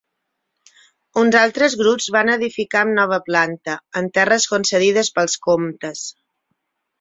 Uns altres grups van edificar amb nova planta, en terres concedides pels comtes.